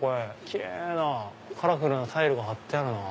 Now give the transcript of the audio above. キレイなカラフルなタイルが張ってあるな。